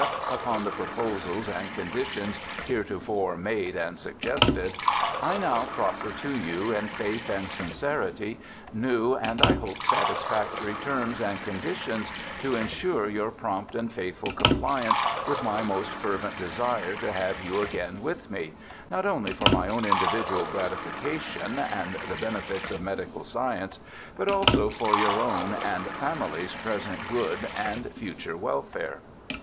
upon the proposals and conditions heretofore made and suggested, I now proffer to you in faith and sincerity, new, and I hope satisfactory, terms and conditions to ensure your prompt and faithful compliance with my most fervent desire to have you again with me — not only for my own individual gratification, and the benefits of medical science, but also for your own and family's present good and future welfare.'